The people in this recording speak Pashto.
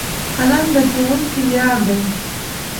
قلم د ښوونکي ویاړ دی.